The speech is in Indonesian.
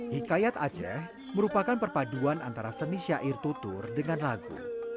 hikayat aceh merupakan perpaduan antara seni syair tutur dengan lagu